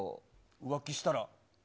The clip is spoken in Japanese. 浮気したら。